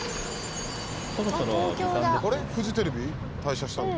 あれっフジテレビ？退社したのに。